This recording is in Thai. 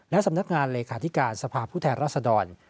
และสำนักงานเลขาธิการสภาพผู้แทนรัศดร